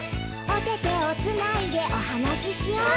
「おててをつないでおはなししよう」